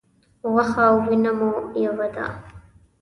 غوښه او وینه مو یوه ده.